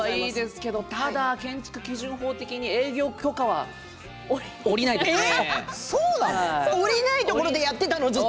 建築基準法的に営業許可が下りないでしょうね。